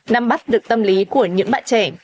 năm bắt được tâm lý của những bạn trẻ